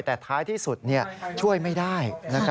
แต่ท้ายที่สุดช่วยไม่ได้